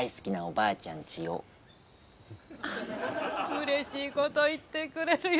うれしいこと言ってくれるよ。